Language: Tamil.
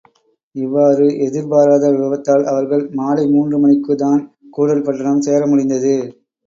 இவ்வாறு எதிர்பாராத விபத்தால் அவர்கள் மாலை மூன்று மணிக்குத்தான் கூடல் பட்டணம் சேர முடிந்தது.